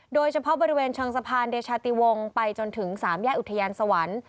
โดยเฉพาะบริเวณชวสะพานเดชาติวงไปจนถึงสามแย้อุทยานสหวัน